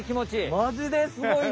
マジですごいな。